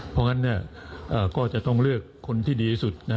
เพราะงั้นก็จะต้องเลือกคนที่ดีที่สุด